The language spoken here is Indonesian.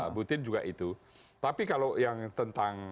ibu tien juga itu tapi kalau yang tentang